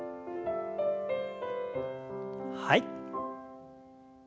はい。